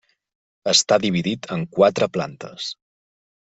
Està dividit en quatre plantes.